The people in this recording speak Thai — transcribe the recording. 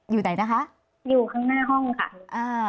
อยู่ไหนนะคะอยู่ข้างหน้าห้องค่ะอ่า